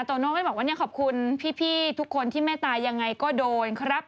โตโน้ก็บอกว่าคบคุณพี่ทุกคนที่แม่ตายอย่างไรก็โดนครับ